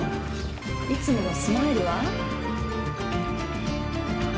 いつものスマイルは？